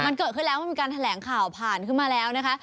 มันเกิดขึ้นแล้วมันมีการแถลงข่าวผ่านขึ้นมาแล้วนะคะ